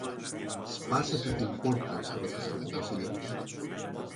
Σπάσετε την πόρτα, πρόσταξε το Βασιλόπουλο.